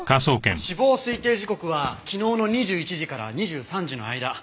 死亡推定時刻は昨日の２１時から２３時の間。